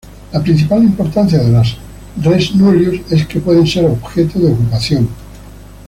La principal importancia de las "res nullius" es que pueden ser objeto de ocupación.